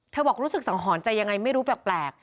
บอกรู้สึกสังหรณ์ใจยังไงไม่รู้แปลก